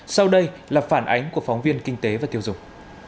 sau đây là phản ánh của phóng viên kinh tế và tiêu dùng